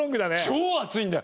超熱いんだよ。